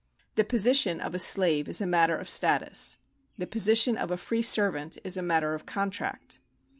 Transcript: The position of a slave is a matter of status, the position of a free servant is a matter of contract.